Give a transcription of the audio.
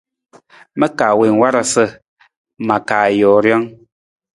Ma ka wiin warasa, ma ka joo rijang.